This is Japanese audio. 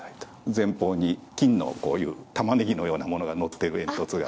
前方に金のこういうタマネギのようなものがのってる煙突が。